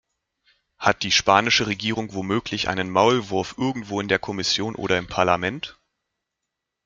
Hat die spanische Regierung womöglich einen Maulwurf irgendwo in der Kommission oder im Parlament?